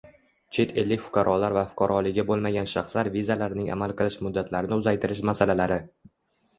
Chet ellik fuqarolar va fuqaroligi bo‘lmagan shaxslar vizalarining amal qilish muddatlarini uzaytirish masalalari